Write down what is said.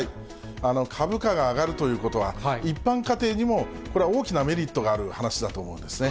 株価が上がるということは、一般家庭にも、これは大きなメリットがある話だと思うんですね。